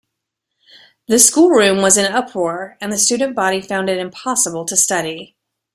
The schoolroom was in uproar, and the student found it impossible to study